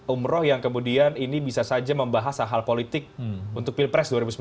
umroh yang kemudian ini bisa saja membahas hal hal politik untuk pilpres dua ribu sembilan belas